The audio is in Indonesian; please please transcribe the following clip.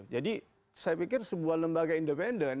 jadi saya pikir sebuah lembaga independen